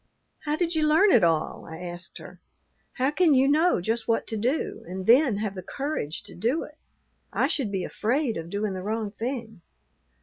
"How did you learn it all?" I asked her. "How can you know just what to do, and then have the courage to do it? I should be afraid of doing the wrong thing."